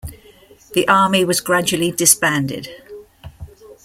The army was gradually disbanded.